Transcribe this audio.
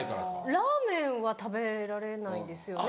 ラーメンは食べられないですよね？